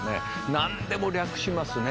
何でも略しますね。